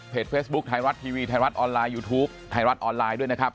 เฟซบุ๊คไทยรัฐทีวีไทยรัฐออนไลน์ยูทูปไทยรัฐออนไลน์ด้วยนะครับ